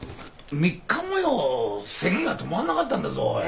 ３日もよせきが止まんなかったんだぞおい。